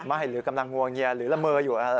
ไม่หรือกำลังงวงเงียหรือละเมออยู่หรืออะไร